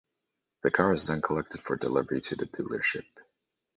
The car is then collected for delivery to the dealership.